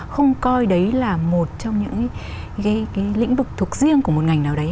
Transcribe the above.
không coi đấy là một trong những lĩnh vực thuộc riêng của một ngành nào đấy